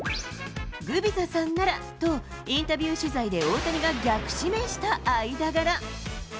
グビザさんならと、インタビュー取材で大谷が逆指名した間柄。